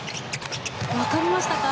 わかりましたか？